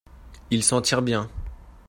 Il s'en tire bien.